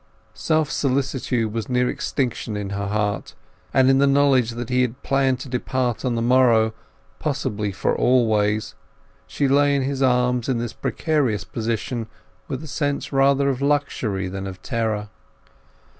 Self solicitude was near extinction in her, and in the knowledge that he had planned to depart on the morrow, possibly for always, she lay in his arms in this precarious position with a sense rather of luxury than of terror.